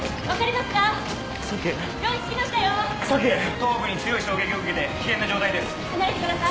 ・頭部に強い衝撃を受けて危険な状態です・・離れてください！